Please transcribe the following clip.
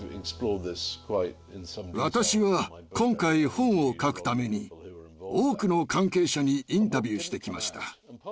私は今回本を書くために多くの関係者にインタビューしてきました。